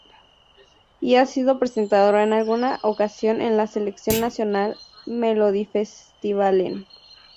Y ha sido presentadora en alguna ocasión de la selección nacional Melodifestivalen.